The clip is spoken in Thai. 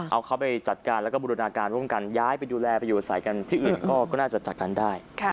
เอาเขาไปจัดการแล้วก็บูรณาการร่วมกันย้ายไปดูแลไปอยู่อาศัยกันที่อื่นก็น่าจะจัดการได้